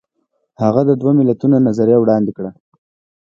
هغه د دوه ملتونو نظریه وړاندې کړه.